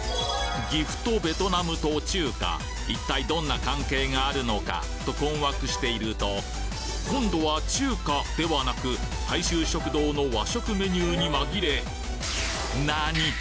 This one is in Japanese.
岐阜とベトナムと中華一体どんな関係があるのか？と困惑していると今度は中華ではなく大衆食堂の和食メニューに紛れなに？